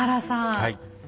はい。